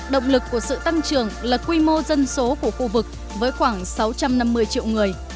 động lực của sự tăng trưởng là quy mô dân số của khu vực với khoảng sáu trăm năm mươi triệu người